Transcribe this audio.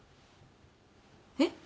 えっ？